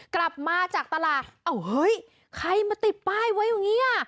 เกิดมากับตลาดนี้